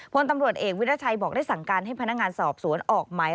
พลตำรวจเอกวิราชัยบอกได้สั่งการให้พนักงานสอบสวนออกไหม